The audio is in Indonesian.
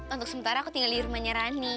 untuk sementara aku tinggal di rumahnya rani